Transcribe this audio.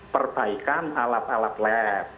perbaikan alat alat lab